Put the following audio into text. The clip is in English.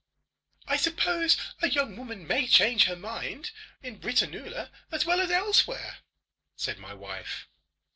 "I suppose a young woman may change her mind in Britannula as well as elsewhere," said my wife.